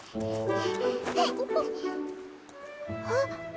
あっ。